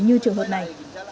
như trường hợp này